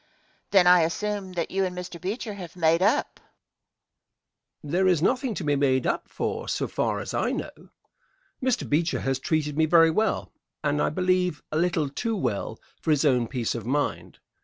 Question. Then I assume that you and Mr. Beecher have made up? Answer. There is nothing to be made up for so far as I know. Mr. Beecher has treated me very well, and, I believe, a little too well for his own peace of mind.